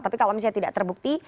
tapi kalau misalnya tidak terbukti